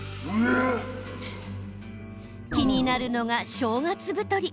気になるのが、正月太り。